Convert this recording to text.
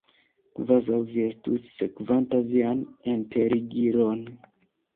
Kvazaŭ vi estus sekvanta vian enterigiron!